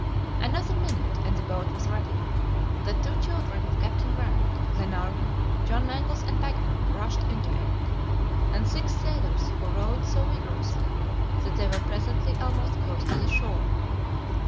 Another minute and the boat was ready. The two children of Captain Grant, Glenarvan, John Mangles, and Paganel, rushed into it, and six sailors, who rowed so vigorously that they were presently almost close to the shore.